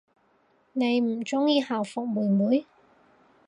你唔鍾意校服妹妹？